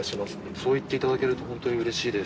そう言っていただけると本当にうれしいです。